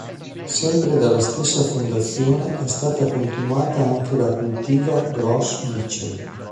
Sempre dalla stessa fondazione è stata continuata anche la cultivar Gros Michel.